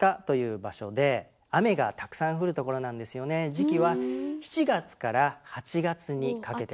時期は７月８月にかけてです。